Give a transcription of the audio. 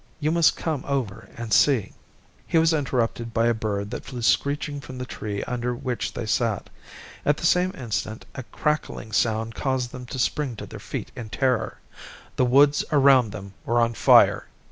You must come over and see " He was interrupted by a bird that flew screeching from the tree under which they sat. At the same instant a crackling sound caused them to spring to their feet in terror. The woods around them were on fire.